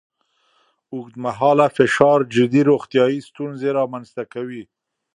اوږدمهاله فشار جدي روغتیایي ستونزې رامنځ ته کوي.